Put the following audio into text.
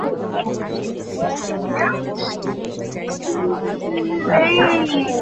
আমাদের সরকারের আচরণ থেকে তথ্যপ্রযুক্তি কিংবা বিজ্ঞান প্রযুক্তির গুরুত্ব আঁচ করা কঠিন।